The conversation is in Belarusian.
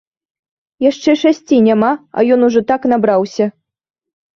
Яшчэ шасці няма, а ён ужо так набраўся.